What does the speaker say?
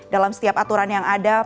dalam setiap aturan yang ada